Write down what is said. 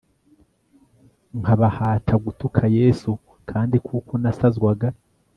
nkabahata gutuka yesu kandi kuko nasazwaga